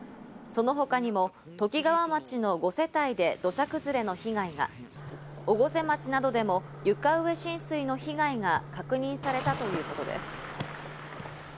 その他にもときがわ町の５世帯で土砂崩れの被害が、越生町などでも床上浸水の被害が確認されたということです。